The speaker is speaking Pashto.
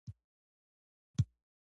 د ستوریز سیستم مرکز لمر دی